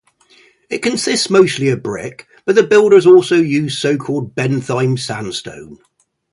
It consists mostly of brick, but the builders also used so-called Bentheim sandstone.